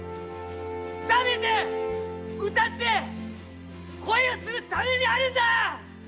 「食べて歌って」「恋をするためにあるんだ！」